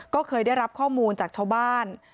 ก็เคยได้รับข้อมูลจากชาวบ้าน